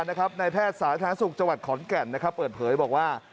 ในแพทย์สาธารณสุขจขอนแก่นเปิดเผยบอกว่า